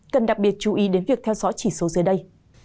cần đặc biệt chú ý đến việc theo dõi chỉ số dưới đây